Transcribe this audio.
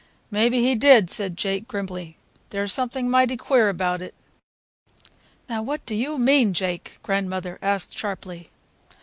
"Maybe he did," said Jake grimly. "There's something mighty queer about it." "Now what do you mean, Jake?" grandmother asked sharply.